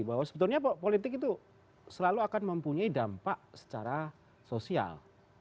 bahwa sebetulnya politik itu selalu akan mempunyai dampak secara sosial